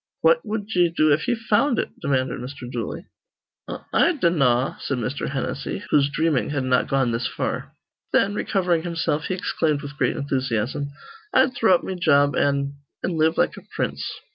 "What wud ye do if ye found it?" demanded Mr. Dooley. "I I dinnaw," said Mr. Hennessy, whose dreaming had not gone this far. Then, recovering himself, he exclaimed with great enthusiasm, "I'd throw up me job an' an' live like a prince."